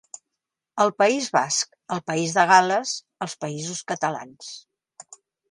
El País Basc, el País de Gal·les, els Països Catalans.